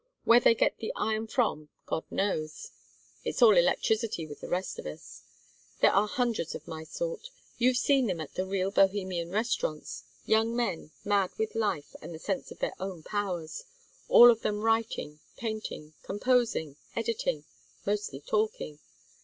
Where they get the iron from God knows. It's all electricity with the rest of us. There are hundreds of my sort. You've seen them at the real Bohemian restaurants; young men mad with life and the sense of their own powers; all of them writing, painting, composing, editing mostly talking.